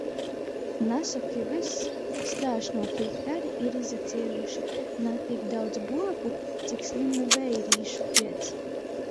Nasoki vys! Strāšnuokī kari ir izacāluši na tik daudz buobu, cik slymu veirīšu piec.